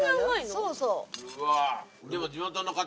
・そうそう。